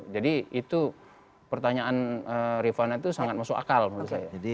jadi itu pertanyaan rifana itu sangat masuk akal menurut saya